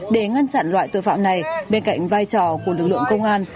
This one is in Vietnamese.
để ngăn chặn loại tội phạm này bên cạnh vai trò của lực lượng công an